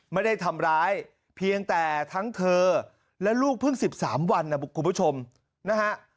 ไม่ได้ทำร้ายเพียงแต่ทั้งเธอและลูกเพิ่ง๑๓วันนะคุณผู้ชมนะฮะ